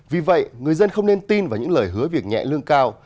vì vậy người dân không nên tin vào những lời hứa việc nhẹ lương cao